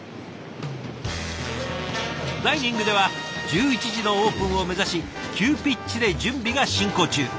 ダイニングでは１１時のオープンを目指し急ピッチで準備が進行中。